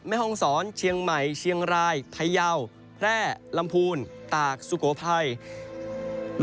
แม่ห้องศรเชียงใหม่เชียงรายพยาวแพร่ลำพูนตากสุโขทัย